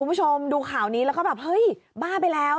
คุณผู้ชมดูข่าวนี้แล้วก็แบบเฮ้ยบ้าไปแล้ว